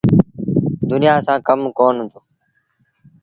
دنيآ سآݩ ڪم ڪونا هُݩدو۔